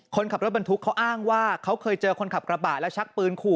คนขับรถบรรทุกเขาอ้างว่าเขาเคยเจอคนขับกระบะแล้วชักปืนขู่